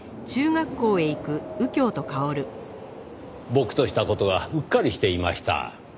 僕とした事がうっかりしていました。